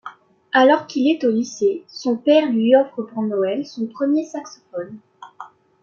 Alors qu'il est au lycée, son père lui offre pour Noël son premier saxophone.